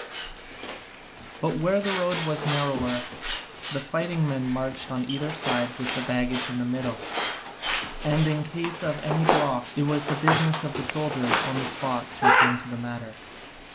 But where the road was narrower the fighting men marched on either side with the baggage in the middle, and in case of any block it was the business of the soldiers on the spot to attend to the matter.